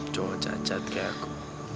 cowok cacat kayak aku